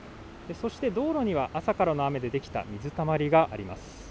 そして道路には朝からの雨でできた水たまりがあります。